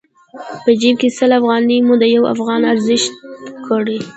په جېب کې سل افغانۍ مو د يوې افغانۍ ارزښت پيدا کړ.